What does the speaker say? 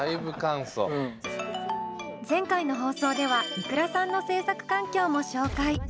前回の放送ではｉｋｕｒａさんの制作環境も紹介。